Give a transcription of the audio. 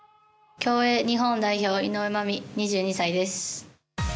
競泳日本代表井上舞美、２２歳です。